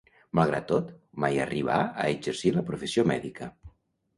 Malgrat tot, mai arribà a exercir la professió mèdica.